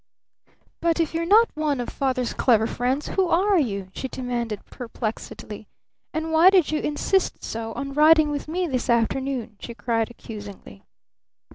"But if you're not one of Father's clever friends who are you?" she demanded perplexedly. "And why did you insist so on riding with me this afternoon?" she cried accusingly.